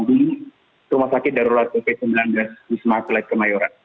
jadi relawan di rumah sakit darurat covid sembilan belas wisma atlet kemayoran